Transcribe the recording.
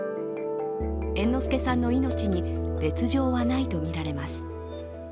猿之助さんの命に別状はないとみられます。